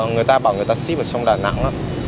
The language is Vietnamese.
người ta bảo người ta ship ở trong đà nẵng lắm